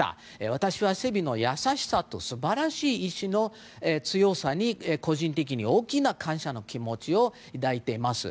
私はセビーの優しさと素晴らしい意志の強さに個人的に、大きな感謝の気持ちを抱いています。